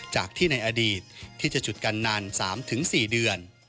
จากที่ในอดีตที่จะจุดกันนาน๓๔เดือน